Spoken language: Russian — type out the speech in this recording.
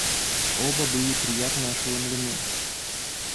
Оба были приятно ошеломлены.